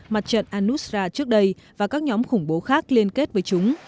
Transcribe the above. mặt trận al nusra trước đây và các nhóm khủng bố khác liên kết với chúng